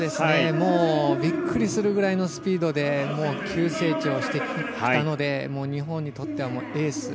びっくりするぐらいのスピードで急成長してきたので日本にとってはエース。